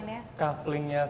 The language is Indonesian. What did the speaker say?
sekarang ada berapa jenis